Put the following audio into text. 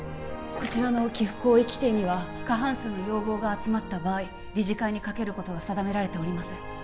こちらの寄附行為規定には過半数の要望が集まった場合理事会にかけることが定められております